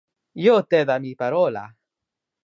Io te da mi parola.